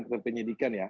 kepada penyidikan ya